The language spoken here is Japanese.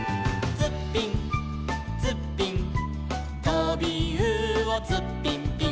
「ツッピンツッピン」「とびうおツッピンピン」